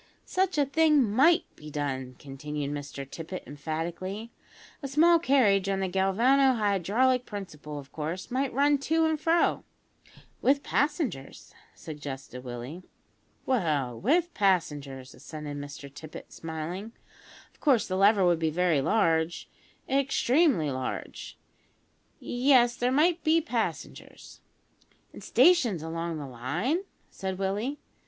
"Such a thing might be done," continued Mr Tippet emphatically; "a small carriage on the galvano hydraulic principle, of course might run to and fro " "With passengers," suggested Willie. "Well with passengers," assented Mr Tippet, smiling. "Of course, the lever would be very large extremely large. Yes, there might be passengers." "An' stations along the line?" said Willie.